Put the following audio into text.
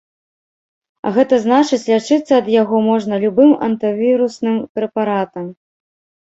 А гэта значыць, лячыцца ад яго можна любым антывірусным прэпаратам.